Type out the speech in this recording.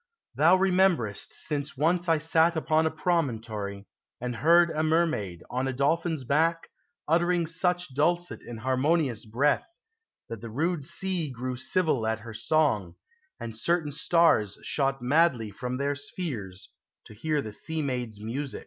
Thou remember'st Since once I sat upon a promontory, And heard a mermaid, on a dolphin's back, Uttering such dulcet and harmonious breath, That the rude sea grew civil at her song, And certain stars shot madly from their spheres, To hear the sea maid's music.